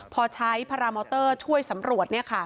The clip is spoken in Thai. พอใช้พารามอเตอร์ช่วยสำรวจ